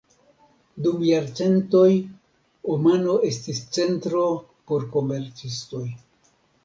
Dum jarcentoj, Omano estis centro por komercistoj.